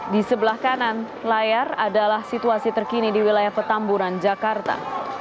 di sebelah kanan layar adalah situasi terkini di wilayah petamburan jakarta